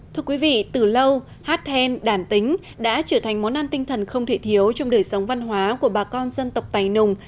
thưa quý vị từ lâu hát then đàn tính đã trở thành món ăn tinh thần không thể thiếu trong đời sống văn hóa của bà con dân tộc tài nùng